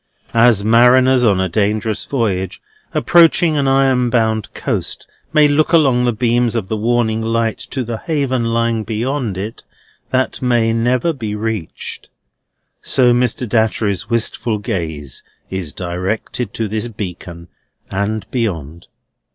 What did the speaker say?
As mariners on a dangerous voyage, approaching an iron bound coast, may look along the beams of the warning light to the haven lying beyond it that may never be reached, so Mr. Datchery's wistful gaze is directed to this beacon, and beyond.